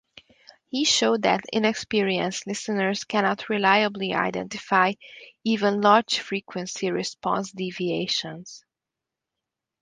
He showed that inexperienced listeners cannot reliably identify even large frequency response deviations.